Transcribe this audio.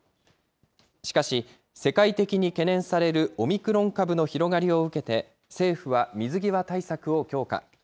しかし、世界的に懸念されるオミクロン株の広がりを受けて、政府は水際対策を強化。